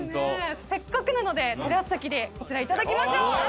せっかくなのでテラス席でこちらいただきましょう。